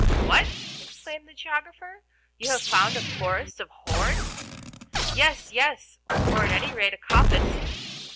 "What!" exclaimed the geographer; "you have found a forest of horns?" "Yes, yes, or at any rate a coppice."